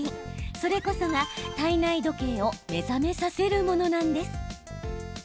それこそが体内時計を目覚めさせるものなんです。